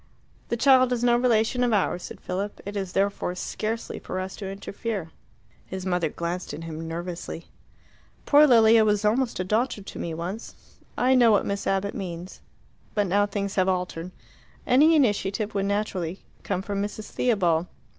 "The child is no relation of ours," said Philip. "It is therefore scarcely for us to interfere." His mother glanced at him nervously. "Poor Lilia was almost a daughter to me once. I know what Miss Abbott means. But now things have altered. Any initiative would naturally come from Mrs. Theobald."